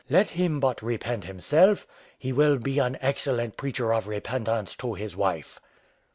Let him but repent himself, he will be an excellent preacher of repentance to his wife."